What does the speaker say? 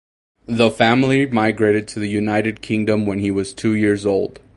The family migrated to the United Kingdom when he was two years old.